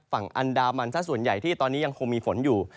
ฝั่งอันดามันซะส่วนใหญ่ที่ตอนนี้ยังคงมีฝนอยู่